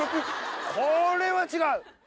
これは違う！